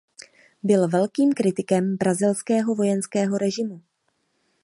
Byl velkým kritikem brazilského vojenského režimu.